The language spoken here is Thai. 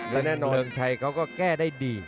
และเรืองชัยเขาก็แก้ได้ดี